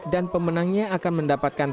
dan pemenangnya akan mendapatkan